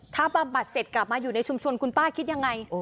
ถ้าบำบัดเสร็จกลับมาอยู่ในชุมชนคุณป้าคิดยังไง